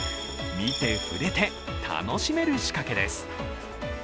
見て、触れて、楽しめる仕掛けですｌ。